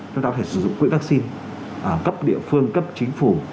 chúng ta có thể sử dụng quỹ vaccine cấp địa phương cấp chính phủ